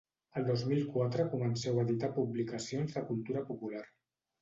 El dos mil quatre comenceu a editar publicacions de cultura popular.